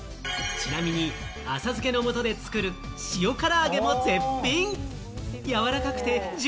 ちなみに浅漬けの素で作る塩から揚げも絶品。